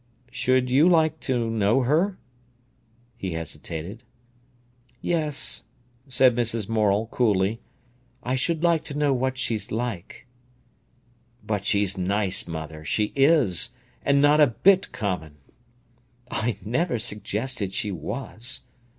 "Should you like to know her?" He hesitated. "Yes," said Mrs. Morel coolly. "I should like to know what she's like." "But she's nice, mother, she is! And not a bit common!" "I never suggested she was."